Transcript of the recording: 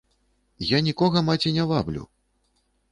Я нікога, маці, не ваблю!